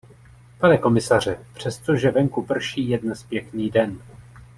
Pane komisaře, přestože venku prší, je dnes pěkný den.